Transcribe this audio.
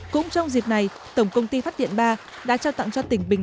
cũng trong dịp này tổng công ty phát điện ba đã trao tặng cho tỉnh bình